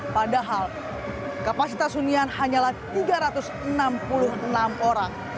padahal kapasitas hunian hanyalah tiga ratus enam puluh enam orang